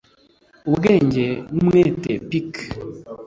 ubwenge n'umwete pic